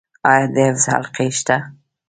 آیا د حفظ حلقې شته؟